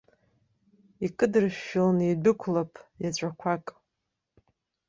Икыдышәшәан идәықәлап еҵәақәак.